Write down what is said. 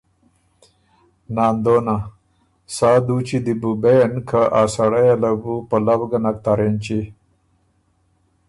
ناندونه: سا دوچي دی بو بېن که ا سړئ یه له بُو پلؤ ګۀ نک تر اېنچی،